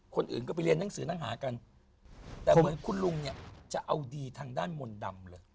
คนอื่นก็ไปเรียนหนังสือหนังหากันแต่เหมือนคุณลุงเนี่ยจะเอาดีทางด้านมนต์ดำเลย